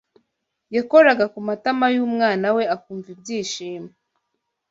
Yakoraga ku matama y’umwana we akumva ibyishimo